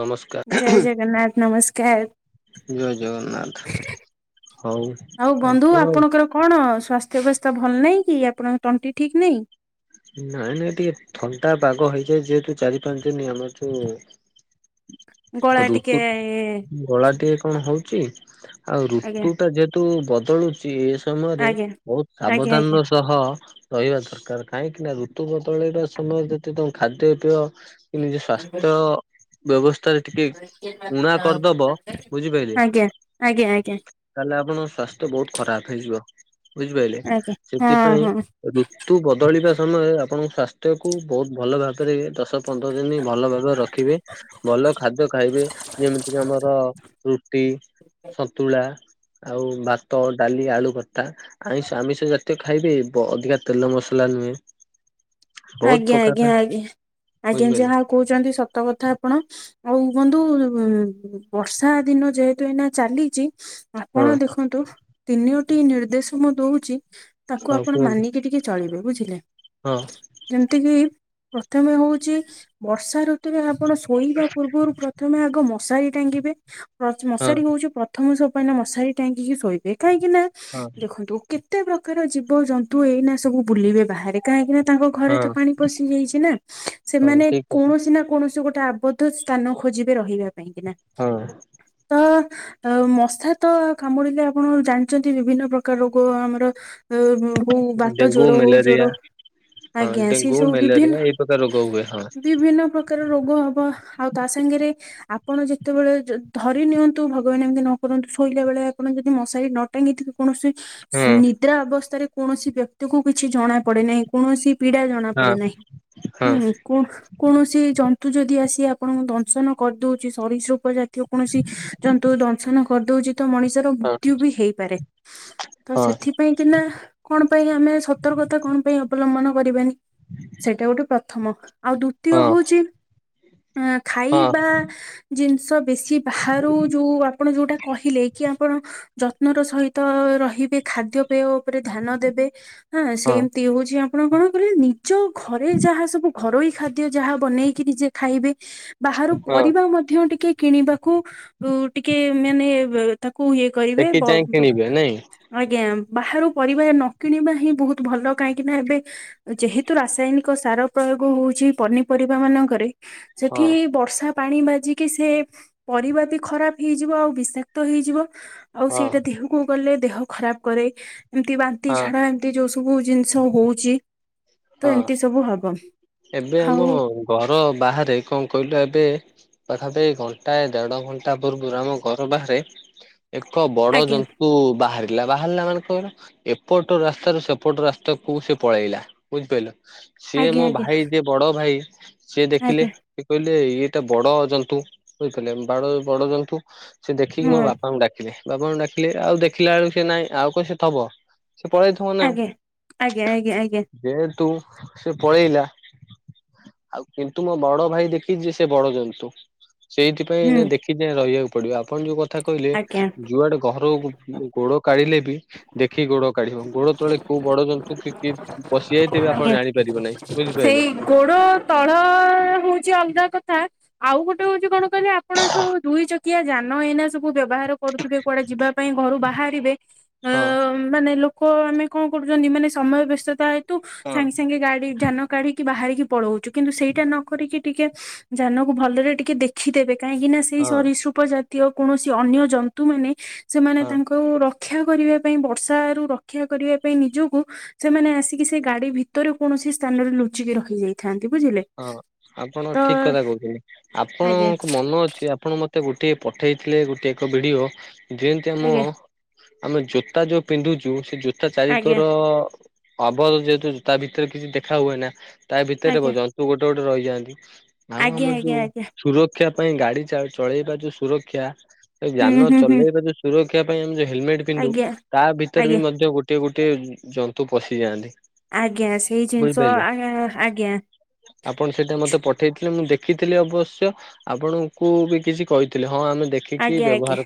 ନମସ୍କାର ଜୟ ଜଗନ୍ନାଥ ଜୟ ଜଗନ୍ନାଥ ନମସ୍କାର। ହଉ ଆଉ ବନ୍ଧୁ ଆପଣ ଆପଣଙ୍କର କଣ ସ୍ୱାସ୍ଥ୍ୟ ଅବସ୍ଥା ଭଲ ନାହିଁ କି ଆପଣଙ୍କ ତଣ୍ଟି ଠିକ୍ ନାହିଁ? ନାଇଁ ନାଇଁ ଟିକେ ଥଣ୍ଡା ପାଗ ହେଇଯାଏ ଯେହେତୁ ଚାରି ପାଞ୍ଚ ଦିନ ଆମ ତୁ ଗଳା ଟିକେ ଋତୁ ଗଳା ଟିକେ କଣ ହଉଛି। ଆଉ ଆଜ୍ଞା ଋତୁ ଟା ଯେହେତୁ ବଦଳୁଛି ଏ ସମୟରେ ଆଜ୍ଞା। ବହୁତ ଆଜ୍ଞା ସାବଧାନ ର ଆଜ୍ଞା ସହ ରହିବା ଦରକାର। କାହିଁକି ନା ଋତୁ ବଦଳେଇବା ସମୟରେ ଯେତେ ତମ ଖାଦ୍ୟ ପେୟ କି ନିଜ ସ୍ୱାସ୍ଥ୍ୟ ବ୍ୟବସ୍ଥାରେ ଟିକେ ଉଣା କରିଦବ ବୁଝିପାଇଲେ? ଆଜ୍ଞା ଆଜ୍ଞା ଆଜ୍ଞା ତାହେଲେ ଆପଣ ସ୍ୱାସ୍ଥ୍ୟ ବହୁତ ଖରାପ ହେଇଯିବ ବୁଝିପାଇଲେ ଆଜ୍ଞା ସେଥିପାଇଁ ହଁ ହଁ ଋ ତୁ ବଦଳିବା ସମୟରେ ଆପଣଙ୍କ ସ୍ୱାସ୍ଥ୍ୟକୁ ବହୁତ ଭଲ ଭାବରେ ଦଶ ଦଶ ପନ୍ଦର ଦିନ ଭଲ ଭାବରେ ରଖିବେ ଭଲ ଖାଦ୍ୟ ଖାଇବେ ଯେମିତି କି ଆମର ର ରୁଟି ସନ୍ତୁଳା, ଆଉ ଭାତ ଡାଲି ଆଳୁ ଖଟା ଆଇଁସ ଆମିଷ ଜାତୀୟ ଖାଇବେ ବ ଅଧିକା ତେଲ ମସ ପଲାନମେ [inaudible] ଆଜ୍ଞା ଆଜ୍ଞା ଆଜ୍ଞା ଆଜ୍ଞା ବୁଝିପାରିଲେ ଯାହାଉ କହୁଛନ୍ତି ସତ କଥା ଆପଣ ଆଉ ବନ୍ଧୁ ଉ ବର୍ଷା ଦିନ ଯେହେତୁ ତୁ ଏଇନା ଚାଲିଛି ହଁ ଆପଣ ଦେଖନ୍ତୁ ତିନିଓଟି ନିର୍ଦ୍ଦେଶ ମୁଁ ଦଉଛି ତାକୁ ହଁ ଆପଣ କୁହନ୍ତୁ ମାନିକି ଟିକେ ଚଳିବେ ବୁଝିଲେ? ହଁ। ଯେମିତି କିି ପ୍ରଥମେ ହଉଛି ବର୍ଷା ଋତୁ ତୁରେ ଆପଣ ଶୋଇବା ପୂର୍ବରୁ ପ୍ରଥମେ ଆଗ ମଶାରୀ ଟାଙ୍ଗିବେ ପ୍ରଞ୍ଚ୍ ହଁ ମଶାରୀ ହଉଚି ପ୍ର ପ୍ରଥମ ସୋପାନ ମଶାରୀ ଟାଙ୍ଗିକି ଶୋଇବେ କାହିଁକି ନା ହଁ ଦେଖନ୍ତୁ କେତେ ପ୍ରକାର ଜୀବ ଜନ୍ତୁ ଏଇନା ସବୁ ବୁଲିବେ ବାହାରେ କାହିଁକି ନା ତାଙ୍କ ଘରେ ହଁ ତ ପାଣି ପଶି ଯାଇଛି ନା ହଁ ସେମାନେ ଠିକ କୌଣସି ନା କୌଣସି ଗୋଟେ ଆବଦ୍ ସ୍ଥାନ ଖୋଜିବେ ରହିବା ପାଇଁ କି ନା କଥା। ତ ଆଉ ମଶା ତ କାମୁଡିଲେ ଆପଣ ଜାଣିଛନ୍ତି ବିଭିନ୍ନ ପ୍ରକାର ରୋଗ ଆମର ହଉ ହଁ ବାଟ ଡେଙ୍ଗୁ ଜର ହଉ ମ୍ୟାଲେରିଆ ଜର ହଁ ଆଜ୍ଞା ସେ ଡେଙ୍ଗୁ ସବୁ ମ୍ୟାଲେରିଆ ବିଭିନ୍ନ ଏଇ ପ୍ରକାର ରୋଗ ହୁଏ ହଁ ବିଭିନ୍ନ ପ୍ର କାର ରୋଗ ହବ ଆଉ ତା ସାଙ୍ଗରେ ଆପଣ ଯେତେବେଳେ ଧରି ନିଅନ୍ତୁ ଭଗବାନ ଏମିତି ନ କରନ୍ତୁ ଶୋଇଲା ବେଳେ ଆପଣ ଯଦି ମଶାରୀ ନ ଟାଙ୍ଗୀ ତେ କୌଣସି ହଁ ନିଦ୍ରା ଅବସ୍ଥାରେ କୌଣସି ବ୍ୟକ୍ତି କୁ କିଛି ଜଣା ପଡେ ନାହିଁ କୌଣସି ପୀଡା ଜ ତା ହଁ ପଡେ ନାହିଁ ହଁ ହୁଁ। କୌଣସି ଜନ୍ତୁ ଯଦି ଆସି ଆପଣଙ୍କୁ ଦଂଶନ କରିଦଉଛି ସରିସୃପ ଜାତି କୌଣସି ଜନ୍ତୁ ଦଂଶନ କରିଦଉଛି। ତ ମଣିଷର ହଁ। ମୃତ୍ୟୁ ବି ହେଇପାରେ ତ ହଁ ସେଥି ପାଇଁ କିନା କଣ ପାଇଁ ଆମେ ସତର୍କତା କଣ ପାଇଁ ଅବଲମ୍ବନ କରିବାନି ସେଇଟା ଗୋଟେ ପ୍ରଥମ ଆଉ ହଁ ଦ୍ଵିତୀୟ ହଉଛି ହଁ ଖାଇବା ଜିନିଷ ବେଶୀ ବାହାରୁ ଯୋଉ ଆପଣ ଯୋଉଟା କହିଲେ କି ଆପଣ ଯତ୍ନ ର ସହିତ ରହିବେ ଖାଦ୍ୟପେୟ ଉପରେ ଧ୍ୟାନ ଦେବେ ହଁ ସେମତି ହଉଛି। ଆପଣ କଣ କରିବେ ନିଜ ଘରେ ଯାହା ସବୁ ଘରୋଇ ଖାଦ୍ୟ ବାନେଇକି ନିଜେ ଖାଇବେ ବାହାରୁ ହଁ ପରିବା ମଧ୍ୟ ଟିକେ କିଣିବାକୁ ଟିକେ ମାନେ ତାକୁ ଇଏ କରିବେ ସେଠି ବ ଯାଇ କିଣିବେ ନାଇଁ ଆଜ୍ଞା ବାହାରୁ ପରିବା ନ କିଣିବା ହିଁ ବହୁତ ଭଲ କାହିଁକି ନା ଏବେ ଯେହେତୁ ରାସାୟନିକ ସାର ପ୍ରୟୋଗ ହଉଛି ପନିପରିବା ମାନଙ୍କରେ ହଁ ସେଠି ବର୍ଷା ପାଣି ବାଜିକି ସେ ପରିବା ବି ଖରାପ ହେଇଯିବ ଆଉ ବିଷାକ୍ତ ହେଇଯିବ। ଆଉ ହଁ ସେଇଟା ଦେହକୁ ଗଲେ ଦେହ ଖରାପ କରେ ଏମିତି ବାନ୍ତି ହଁ ଝାଡା ଟି ଏ ଯୋଉ ସବୁ ଜିନିଷ ହଉଛି। ତ ହଁ ଏମିତି ସବୁ ହବ ଏବେ ଆମ ଆଉ ଘର ବାହାରେ କଣ କହିଲ ଏବେ ପାଖ ପାଖି ଘଣ୍ଟାଏ ଦେଢ ଘଣ୍ଟା ପୂର୍ବରୁ ଆମ ଘର ବାହାରେ ଏକ ବଡ ଆଜ୍ଞା ଜନ୍ତୁ ବାହାରେ ଲା ବାହାରିଲା ମାନଙ୍କର ଏପଟ ରାସ୍ତାରୁ ସେପଟ ରାସ୍ତା କୁ ପଳେଇଲା। ବୁଝିପାରିଲ ସିଏ ଆଜ୍ଞା ମୋ ଆଜ୍ଞା ଭାଇ ଯିଏ ବଡ ଭାଇ ସିଏ ଦେଖିଲେ ଆଜ୍ଞା ସେ କହିଲେ ଇଏଟା ବଡ ଜନ୍ତୁ ବୁଝିପାରିଲେ ବ ବଡଜନ୍ତୁ। ସେ ଦେଖିକି ମୋ ହଁ ବାପାଙ୍କୁ ଡାକିଲେ ବାପା ଙ୍କୁ ଡାକିଲେ ଆଉ ଦେଖିଲା ବେଳକୁ ସେ ନାଇଁ ଆଉ କଣ ସେ ଥବ। ସେ ପଳେଇଥିବ ନା ଆଉ। ଆଜ୍ଞା ଆଜ୍ଞା ଆଜ୍ଞା ଆଜ୍ଞା। ଯେହେତୁ ସେ ପଳେଇଲା ଆଉ କିନ୍ତୁ ମୋ ବଡ ଭାଇ ଦେଖିଚି ସେ ବଡ ଜନ୍ତୁ। ସେଇଥିପାଇଁ ହୁଁ ଏଇନା ଦେଖି ଚାହିଁ ରହିଆକୁ ପଡିବ। ଆପଣ ଯୋଉ କଥା କଇଲେ ଆଜ୍ଞା ଯୁଆଡେ ଗହରୋଉ ଗୋଡୋ କାଢିଲେ ବି ଦେଖିକି ଗୋଡ କାଢିବ ଗୋଡୋ ତଳେ କୋଉ ବଡ ଜନ୍ତୁ କି କିଏ ପଶିଯାଇଥିବେ ଆପଣ ଆଜ୍ଞା ଜାଣିପାରିବ ନାହିଁ ବୁଝିପାଇଲେ। ସେଇ ଗୋଡ ତଳ ହୋଉଚି ଅଲଗା କଥା। ଆଉ ଗୋଟେ ହୋଉଚି କଣ କହିଲେ ଆପଣ ସବୁ ଦୁଇ ଚକିଆ ଯାନ ଏଇନା ସବୁ ବ୍ୟବହାର କରୁଥିବେ କୁଆଡେ ଯିବା ପାଇଁ ଘରୁ ବାହାରିବେ ହଁ ମାନେ ଲୋ କୋ ଆମେ ଙ୍କ କରୁଛନ୍ତି ମାନେ ସମୟ ବ୍ୟସ୍ତତା ହେତୁ ହଁ ସାଙ୍ଗେ ସାଙ୍ଗେ ଗାଡି ଯାନ କାଢିକି ବାହାରିକି ପଳଉଚୁ କିନ୍ତୁ ସେଇଟା ନ କରିକି ଟିକେ ଯାନକୁ ଭଲରେ ଟିକେ ଦେଖିଦେବେ କାହିଁକି ନା ସେ ସେଇ ହଁ ସରିସୃପ ଜାତୀୟ କୌଣସି ଅନ୍ୟ ଜନ୍ତୁ ମାନେ ସେମାନେ ହଁ ତାଙ୍କ ହୁଁ ରକ୍ଷା କରିବା ପାଇଁ ବର୍ଷାରୁ ରକ୍ଷା କରିବା ପାଇଁ ନିଜକୁ ସେମାନେ ଆସିକି ସେ ଗାଡି ଭିତରେ କୌଣସି ସ୍ଥାନରେ ଲୁଚିକି ରଖି ଯାଇଥାନ୍ତି ବୁଝିଲେ। ହଁ, ଆପଣ ତ ଠିକ କଥା କୋଉଚନ୍ତି। ଆଜ୍ଞା ଆପଣଙ୍କ ମନ ଅଛି ଆପଣ ମତ- ମତେ ଗୋଟିଏ ପଠେଇଥିଲେ ଗୋଟେ ଏକ ଭିଡିଓ ଜେନ୍ତି ଆମ ଆଜ୍ଞା ଆମେ ଜୋତା ଯୋଉ ପିନ୍ଧୁଛୁ ସେ ଜୋତା ଚାରିିକର ଆଜ୍ଞା ଆବଦ୍ଧ ଯେହେତୁ ତା ଭିତରେ କିଛି ଦେଖା ହୁଏ ନା। ତା ଭିତେରେ ଆଜ୍ଞା ବୁ ଗୋଟେ, ଗୋଟେ ରହିଯାନ୍ତି। ଆଉ ଆଜ୍ଞା ଆମର ଆଜ୍ଞା ଯୋଉ ଆଜ୍ଞା ସୁର ରକ୍ଷା ପାଇଁ ଗାଡି ଚଳେଇବା ଯୋଉ ସୁରକ୍ଷା ହୁଁ ଜାନ ହୁଁ ହୁଁ ଚଲେଇବା ବି ସୁରକ୍ଷା ପାଇଁ ଆମ ଯଉ ହେଲମେଟ୍ ପିନ୍ଧୁ ଆଜ୍ଞା ତା ଭିତରେ ଆଜ୍ଞା ବି ମଧ୍ୟ ଗୋଟ ଗୋଟିଏ, ଗୋଟିଏ ଜନ୍ତୁ ପଶିଯାଆନ୍ତି। ଆଜ୍ଞା। ସେଇ ଜିନିଷ ବୁଝିପାରିଲେ। ଆଇଁ ଆଇଁ ଆଁ ଅଜ୍ଞା। ଆପଣ ସେଇଟା ମତେ ପଠେଇଥିଲେ ମୁଁ ଦେଖିଥିଲି ଅବଶ୍ୟ ଆପଣଙ୍କୁ ବି କିଛି କହିଥିଲେ। ହଁ, ଆମେ ଦେଖ ଆଜ୍ଞା, ଆଜ୍ଞା।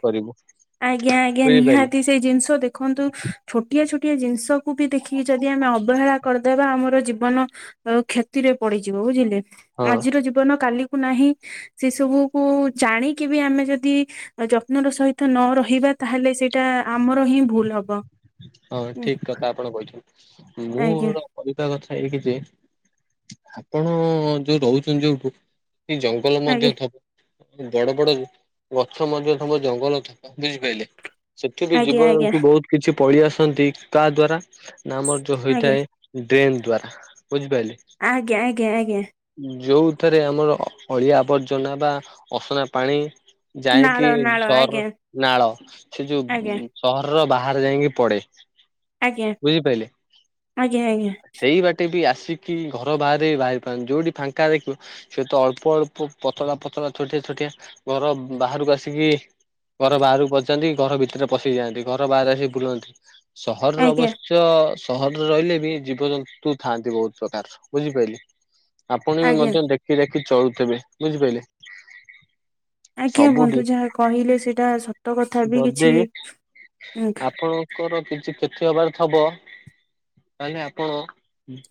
ଆଜ୍ଞା, ଆଜ୍ଞା ବୁଝିପାରିଲେ। ନିହାତି ସେଇ ଜିନଷ ଦେଖ ଦେଖନ୍ତୁ ଛୋଟିଆ ଛୋଟିଆ ଜିନଷକୁ ବି ଦେଖିକି ଯେଦି ଆମେ ଅବହେଳା କରଦେବା ଆମର ଜୀବନ କ୍ଷେତିରେ ପଡିଯିବ ବୁଝିଲେ। ହଁ ଆଜିର ଜୀବନ କାଲିକୁୁ ନାହିଁ, ସେ ସବୁକୁ ଜାଣିକି ବି ଆମେ ଯଦି ଯଦି ଯତ୍ନର ସହିତ ନ ରହିବା ତାହେଲେ ସେଇଟା ଆମର ହିଁ ଭୁଲ ହବ। ହଁ ଉଁ, ଠିକ କଥା ଆପଣ କହୁଛନ୍ତି ଆଜ୍ଞା ମୁଁର କରିବାହିବା କଥା ଏଇକି ଯେ ଆପଣ ଯୋଉ ରହୁଛନ୍ତି ଯୋଉଠୁ ଯ ଜଙ୍ଗଲ ମଧ୍ୟ ଆଜ୍ଞା ଥବ ବଡ ବଡ ଗଛ ମଧ୍ୟ ଥବ ଜଙ୍ଗଲ ଥବ ବୁଝିପାରିଲେ। ସେଠି ବି ଆଜ୍ଞା ଆଜ୍ଞା ଜୀବଜନ୍ତୁ ବହୁତ କିଛି ପଳି ଆସନ୍ତି କାହା ଦ୍ଵାରା ନା ଆମର ଯୋଉ ଆଜ୍ଞା ହେଇଥାଏ ଡ୍ରେନ୍ ଦ୍ଵାରା ବୁଝିପାରିଲି। ଆଜ୍ଞା ଆଜ୍ଞା ଆଜ୍ଞା। ଯୋଉଥିରେ ଆମର ଅ ଅଳିଆ ଆବର୍ଜନା ବା ଅସନା ପାଣି ନାଳ ଯାଇକି ନାଳ ସହର ଆଜ୍ଞା ନାଳ ସେ ଆଜ୍ଞା ଯୋଉ ସହରର ବାହାରେ ଯାଇକି ପଡେ ଆଜ୍ଞା ବୁଝିପାରିଲେ ଆଜ୍ଞା ଆଜ୍ଞା ସେଇ ବାଟେ ବି ଆସି କି ଘର ବାହାରେ ବାହାରି ପାରୁନ୍ତିି ଯୋଉଠି ଫାଙ୍କା ଦେଖିବ ସେ ତ ଅଳ୍ପ ଅଳ୍ପ ପତଳା ପତଳା ଛୋଟିଆ ଛୋଟିଆ ଘର ବାହାରକୁ ଆସିକି ଘର ବାହାରକୁ ପଶିଯାଆନ୍ତି ଘର ଭିତରେ ପଶି ଯାଆନ୍ତି ଘର ବାହାରେ ଆସି ବୁଲନ୍ତି ସହରର ଆଜ୍ଞା ଅବସ୍ ଶ୍ୟ ସହରରେ ରହିଲେ ବି ଜୀବଜନ୍ତୁ ଥାଆନ୍ତି ବହୁତ ପ୍ରକାର ବୁଝିପାରିଲି? ଆପଣ ବି ଆଜ୍ଞା ମଧ୍ୟ ଦେଖି ଦେଖି ଚଳୁଥିବେ ବୁଝିପାରିଲେ? ଆଜ୍ଞା ସବୁଠି ବନ୍ଧୁ ଯାହା କହିଲେ ସେଇଟା ସତ କଥା ବି କିଛି ଙ୍କର କିଛି କ୍ଷତିହେବାର ଥବ ତାହେଲେ ଆପଣ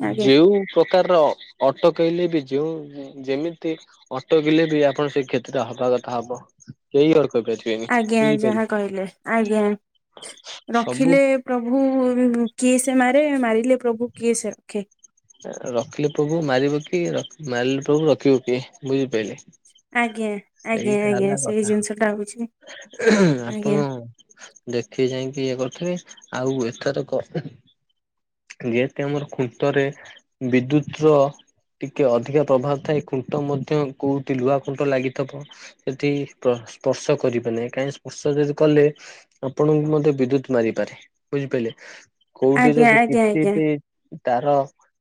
ଆଜ୍ଞା ଯେଉ ପ୍ରକାରର ଅଟକେଇଲେ ବି ଯେଉଁ ଯେମିତି ଅଟକିଲେ ବି ଆପଣ ସେ କ୍ଷତିରେ ହବା କଥା ହବ କେହି ଅଟ-କହିପାରିବେ ଆଜ୍ଞା ଯାହା କହିଲେ ଆଜ୍ଞା ସବୁ ରଖିଲେ ପ୍ରଭୁ କିଏ ସେ ମାରେ ମାରିଲେ ପ୍ରଭୁ କିଏ ସେ ରଖେ। ରଖିଲେ ପ୍ରଭୁ ମାରିବ କିଏ, ମାରିଲେ ପ୍ରଭୁ ରଖିବ କିଏ ବୁଝିପାରିଲି? ଆଜ୍ଞା ଆଜ୍ଞା ସେଇଟା ଆଜ୍ଞା ହେଲା ସେଇ ଜିନିଷ ଟା ହଉଛି କଥା ଆଜ୍ଞା ଆପଣ ଦେଖି ଯାଇକି ଇଏ କରିଥିବେ ଆଉ ଏଥରକ ଯେହେତୁ ଆମର ଖୁଣ୍ଟରେ ବିଦ୍ୟୁତ ର ଟିକେ ଅଧିକା ପ୍ରଭାବ ଥାଏ ଖୁଣ୍ଟ ମଧ୍ୟ କୋଉଠି ଲୁହା ଖୁଣ୍ଟ ଲାଗିଥିବ ସେଠି ସ୍ପର୍ଶ କରିବେ ନାହିଁ କାହିଁକି ସ୍ପର୍ଶ ଯଦି କଲେ ଆପଣଙ୍କୁ ମଧ୍ୟ ବିଦ୍ୟୁତ ମାରିପାରେ ବୁଝିପାରିଲେ କୋଉଠି ଆଜ୍ଞା ଯଦି ଆଜ୍ଞା କିଛି ଆଜ୍ଞା। ବି ତାର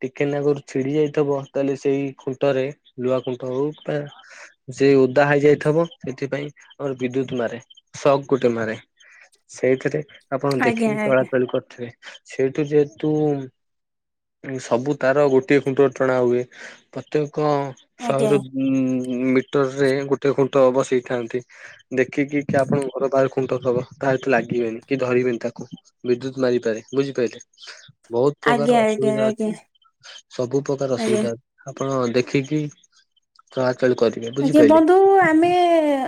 ଟିକେ ନାଗରୁ ଛିଡି ଯାଇଥିବ ତାହେଲେ ସେଇ ଖୁଣ୍ଟରେ ଲୁହା ଖୁଣ୍ଟ ହଉ ଯେ ଓଦା ହେଇ ଯାଇଥିବ ସେଥିପାଇଁ ଆମର ବିଦ୍ୟୁତ ମାରେ ସକ୍ ଗୋଟେ ମାରେ ସେଇଥିରେ ଆପଣ ଆଜ୍ଞା ଦେଖିକି ଆଜ୍ଞା ଚଳାଚଳି କରିଥିବେ ସେଇଠୁ ଯେହେତୁ ସବୁ ତାର ଗୋଟିଏ ଖୁଣ୍ଟୁ ଅ ଟଣା ହୁଏ ପ୍ରତ୍ୟେକ ଆଜ୍ଞା ଶହେରୁ ଉଁ ମିଟର ରେ ଗୋଟେ ଖୁଣ୍ଟ ବସେଇଥାନ୍ତି। ଦେଖିକି କି ଆପଣଙ୍କ ଘର ବାହାରେ କଣ ତରବ ତାତେ ଲାଗିବେନି କି ଧରିବେନି ତାକୁ ବିଦ୍ୟୁତ ମାରିପାରେ ବୁଝିପାରିଲେ। ବହୁତ ପ୍ରକାର ଆଜ୍ଞା ଆଜ୍ଞା ଅସୁବିଧା ଆଜ୍ଞା ଅଛି ସବୁ ପ୍ରକାର ଆଜ୍ଞା। ଅସୁବିଧା ଅ ଆପଣ ଦେଖିକି ଚଳାଚଳି କରିବେ। ଆଜ୍ଞା ବୁଝିପାରିଲେ ବନ୍ଧୁ ଆମେ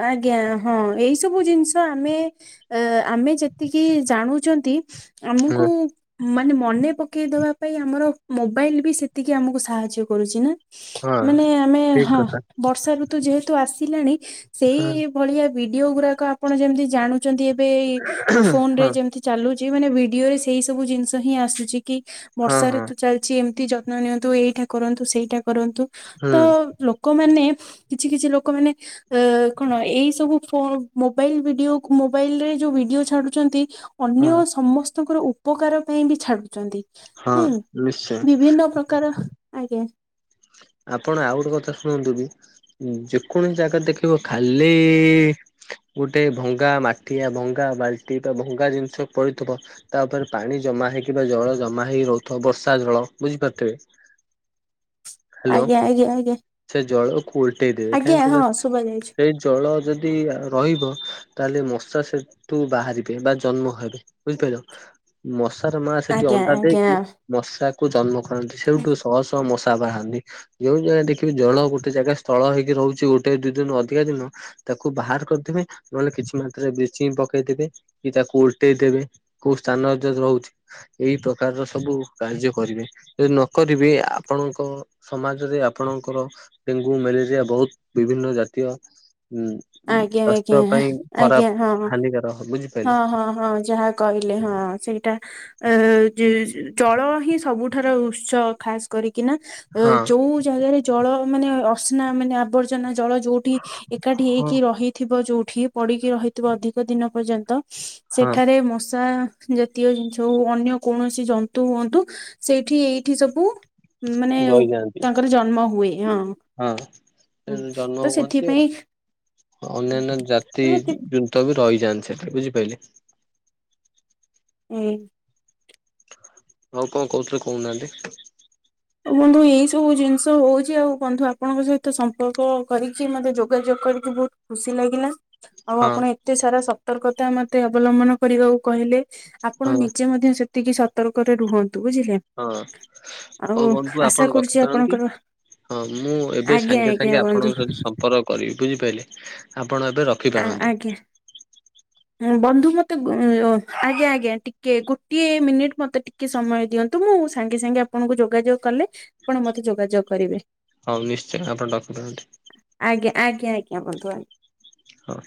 ଆଜ୍ଞା ହଁ ଏଇ ସବୁ ଜିନିଷ ଆମେ ଅ ଆମେ ଯେତିକି ଜାଣୁଛନ୍ତି ଆମକୁ। ହଁ। ମାନେ ମନେ ପକେଇଦବା ପାଇଁ ଆମର ମୋବାଇଲ ବି ସେତିକି ଆମକୁ ସାହାଯ୍ୟ କରୁଛି ନା ହଁ ମାନେ ଆମେ ଠିକ ହଁ କଥା ବର୍ଷା ଋତୁ ଯେହେତୁ ଆସିଲାଣି ହଁ ସେଇ ଭଳିଆ ଭିଡିଓ ଗୁଡାକ ଆପଣ ଯେମତି ଜାଣୁ ନ୍ତି ଏବେ ଏ ଫୋନରେ ହଁ ଯେମିତି ଚାଲୁଛି ମାନେ ଭିଡିଓ ରେ ସେଇ ସବୁ ଜିନିଷ ହିଁ ଆସୁଛି କି ହଁ ବର୍ଷାାରେ ହଁ ତ ଚାଲିଛି ଏମତି ଯ ନିଅନ୍ତୁ ଏଇଟା କରନ୍ତୁ ସେଇଟା କରନ୍ତୁ ହୁଁ ତ ଲୋକମାନେ କିଛି କିଛି ଲୋକମାନେ ଅ କଣ ଏଇ ସବୁ ଫୋ ମୋବାଇଲ ଭିଡିଓ ମୋବାଇଲ ରେ ଯୋଉ ଭିଡିଓ ଛାଡୁଛନ୍ତି। ଅନ୍ୟ ହଁ। ସମସ୍ତଙ୍କର ଉପକାର ପାଇଁ ବି ଛାଡୁଛନ୍ତି। ହଁ ହୁଁ ନିଶ୍ଚୟ ବିଭିନ୍ନ ପ୍ରକାର ଆଜ୍ଞା। ଆପଣ ଆଉ ଗୋଟେ କଥା ଶୁଣନ୍ତୁ କି ଯେକୌଣସି ଜାଗା ଦେଖିବ ଖାଲି ଗୋଟେ ଭଙ୍ଗା ମାଠଆ ଭଙ୍ଗା ବାଲ୍ଟି ବା ଭଙ୍ଗା ଜିନିଷ ପଡିଥିବ। ତା ଉପରେ ପାଣି ଜମା ହେଇକି ବା ଜଳ ଜମା ହେଇକି ରହୁଥିବ ବର୍ଷା ଜଳ ବୁଝିପାରୁଥିବେ। ହାଲୋ ଆଜ୍ଞା ଆଜ୍ଞା ଆଜ୍ଞା। ସେ ଜଳକୁ ଓଲଟେଇ ଦେବେ ଆଜ୍ଞା କାହିଁ ହଁ କିଲ ଶୁଭା ଯାଉଛି। ସେଇ ଜଳ ଯଦି ରହିବ ତାହେଲେ ମଶା ସେ ତୁ ବାହାରିବେ ବା ଜନ୍ମ ହେବେ ବୁଝିପାରିଲ। ମଶାର ମା ସେଠି ଆଜ୍ଞା ଅଣ୍ଡା ଆଜ୍ଞା ଦେଇକି ମଶାକୁ ଜନ୍ମ କରନ୍ତି ସେଇଠୁ ଶହ ଶହ ମଶା ବାହାନ୍ତି ଯଉ ଜାଗା ଦେଖିବି ଜଳ ଗୋଟେ ଜାଗା ସ୍ଥଳ ହେଇକି ରହୁଛି ଗୋଟେ ଦି ଦିନ ଅଧିକା ଦିନ ତାକୁ ବାହାର କରିଦେବେ ନହେଲେ କିଛି ମାତ୍ରାରେ ବ୍ଲିଚିଙ୍ଗ ପକେଇଦବେ କି ତାକୁ ଓଲଟେଇଦବେ। କୋଉ ସ୍ଥାନ ଯ ରହୁଛି। ଏଇ ପ୍ରକାରର ସବୁ କାର୍ଯ୍ୟ କରିବେ ଯଦି ନ କରିବେ ଆପଣଙ୍କ ସମାଜରେ ଆପଣଙ୍କର ଡେଙ୍ଗୁ ମ୍ୟାଲେରିଆ ବହୁତ ବିଭିନ୍ନ ଜାତୀୟ ଉ ଆଜ୍ଞା ଆଜ୍ଞା ଆଜ୍ଞା ହଁ ହାନିକାର ବୁଝିପାରିଲ ହଁ ହଁ ହଁ ଯାହା କହିଲେ ହଁ ସେଇଟା ଜଳ ହିଁ ସବୁଠାରୁ ଉତ୍ସ ଖାସ କରିକିନା ହଁ ଯୋଉ ଜାଗାରେ ଜଳ ମାନେ ଅସ୍ନା ମାନେ ଆବର୍ଜନା ଜଳ ଯୋଉ ଠି ଏକାଠି ହଁ ହେଇକି ରହିଥିବ ଯୋଉଠି ପଡିକି ରହିଥିବ ଅଧିକ ଦିନ ପର୍ଯ୍ୟନ୍ତ। ହଁ ସେଠାରେ ମଶା ଜାତୀୟ ଜିନିଷ ହଉ ଅନ୍ୟ କୌଣସି ଜନ୍ତୁ ହୁଅନ୍ତୁ ସେଇଠି ଏଇଠି ସବୁ ମାନେ ରହିଯାଆନ୍ତି। ତାଙ୍କର ଜନ୍ମ ହୁଏ ହଁ ହଁ। ହୁଁ ସେ ଜନ୍ମ ତ ହୁଅନ୍ତି ସେଥିପାଇଁ ଅନ୍ୟାନ୍ୟ ଜାତି ଏତି ଜୁ ତ ବି ରହିଯାନ୍ତି ସେଠି ବୁଝିପାରିଲେ। ହୁଁ। ଆଉ କଣ କହୁଥିଲେ କହୁନାହାନ୍ତି? ବନ୍ଧୁ ଏଇ ସବୁ ଜିନିଷ ହଉଛି ଆଉ ବନ୍ଧୁ ଆପଣଙ୍କ ସହିତ ସମ୍ପର୍କ କରିକି ମତେ ଯୋଗାଯୋଗ କରିକି ବହୁତ ଖୁସି ଲାଗିଲା। ଆଉ ହଁ ଆପଣ ଏତେ ସାରା ସତର୍କତା ମତେ ଅବଲମ୍ବନ କରିବାକୁ କହିଲେ। ଆପଣ ହଁ ନିଜେ ମଧ୍ୟ ସେତିକି ସତର୍କ ରେ ରୁହନ୍ତୁ ବୁଝିଲେ? ହଁ ହଉ ଆଉ ବନ୍ଧୁ ଆଶା ଆପଣ କରୁଛି ରଖିଥାନ୍ତି। ଆପଣଙ୍କର ହଁ ମୁଁ ଏବେ ଆଜ୍ଞା ସାଙ୍ଗେ ଆଜ୍ଞା ସାଙ୍ଗେ ବନ୍ଧୁ ଆପଣଙ୍କ ସହିତ ସମ୍ପର୍କ କରିବି ବୁଝିପାଇଲେ? ଆପଣ ଏବେ ରଖ ଆଁ ଆଜ୍ଞା। ବନ୍ଧୁ ମତେ ଗୁଁ ଆଜ୍ଞା, ଆଜ୍ଞା ଟିକେ। ଗୋଟିଏ ମିନିଟ ମତେ ଟିକ କେ ସମୟ ଦିଅନ୍ତୁ। ମୁଁ ସାଙ୍ଗେ ସାଙ୍ଗେ ଆପଣଙ୍କୁ ଯୋଗାଯୋଗ କଲେ ଆପଣ ମତେ ଯୋଗାଯୋଗ କରିବେ। ହଉ ନିଶ୍ଚୟ ଆପଣ ରଖିଦନ୍ତୁ। ଆଜ୍ଞା, ଆଜ୍ଞା -ଆଜ୍ଞା ବନ୍ଧୁ ଆଜ୍ଞ ହଁ।